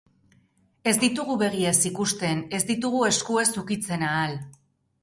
Ez ditugu begiez ikusten, ez ditugu eskuez ukitzen ahal.